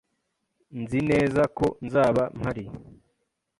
Nzi neza ko nzaba mpari.